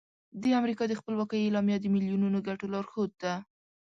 د امریکا د خپلواکۍ اعلامیه د میلیونونو خلکو لارښود ده.